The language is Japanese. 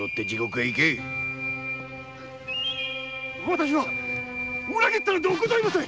私は裏切ったのではございません。